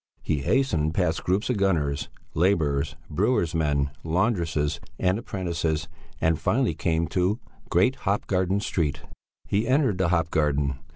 He hastened past groups of gunners, labourers, brewers' men, laundresses, and apprentices, and finally came to Great Hop Garden Street. He entered the Hop Garden.